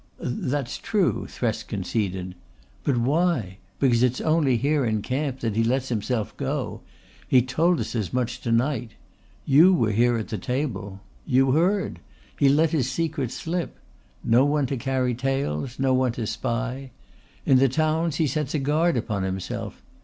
"That's true," Thresk conceded. "But why? Because it's only here in camp that he lets himself go. He told us as much to night. You were here at the table. You heard. He let his secret slip: no one to carry tales, no one to spy. In the towns he sets a guard upon himself.